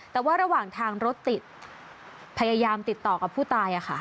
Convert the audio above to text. แต่ว่าระหว่างทางรถติดพยายามติดต่อกับผู้ตาย